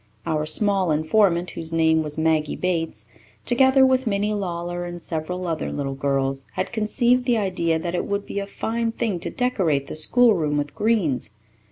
Our small informant, whose name was Maggie Bates, together with Minnie Lawler and several other little girls, had conceived the idea that it would be a fine thing to decorate the schoolroom with greens.